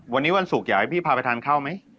วันนี้วันสุขอยากให้พี่พาไปทานข้าวมั้ย